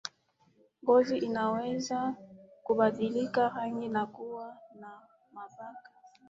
ngozi inaweza kubadilika rangi na kuwa na mabaka